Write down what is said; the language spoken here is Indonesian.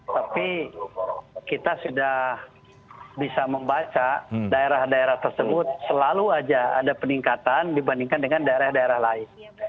tapi kita sudah bisa membaca daerah daerah tersebut selalu saja ada peningkatan dibandingkan dengan daerah daerah lain